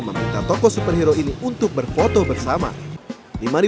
meminta toko superhero ini untuk berfoto bersama